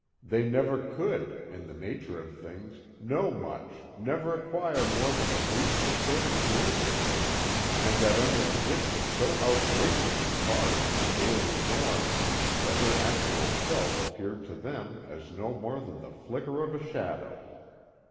They never could, in the nature of things, know much, never acquire more than a brief distorted glimpse of her, and that under conditions so outrageously far from the daily norm that her actual self appeared to them as no more than the flicker of a shadow.